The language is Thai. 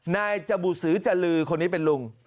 นายจบุษือจรือคนนี้เป็นลุง